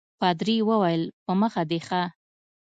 پادري وویل په مخه دي ښه.